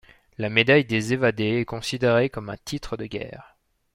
La médaille des évadés est considérée comme un titre de guerre.